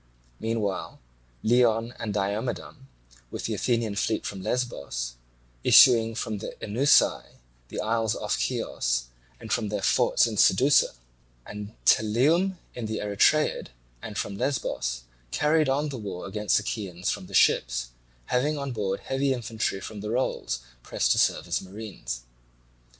Meanwhile Leon and Diomedon with the Athenian fleet from Lesbos issuing from the Oenussae, the isles off Chios, and from their forts of Sidussa and Pteleum in the Erythraeid, and from Lesbos, carried on the war against the Chians from the ships, having on board heavy infantry from the rolls pressed to serve as marines.